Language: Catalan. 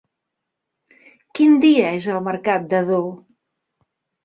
Quin dia és el mercat d'Ador?